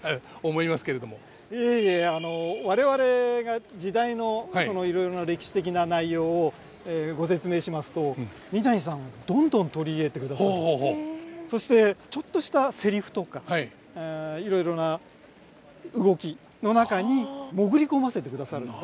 いえいえ我々が時代のそのいろいろな歴史的な内容をご説明しますと三谷さんどんどん取り入れてくださってそしてちょっとしたセリフとかいろいろな動きの中に潜り込ませてくださるので。